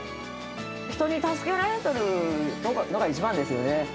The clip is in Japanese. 人に助けられとるのが一番ですよね。